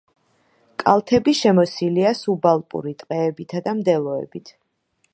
კალთები შემოსილია სუბალპური ტყეებითა და მდელოებით.